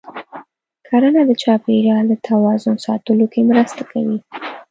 کرنه د چاپېریال د توازن ساتلو کې مرسته کوي.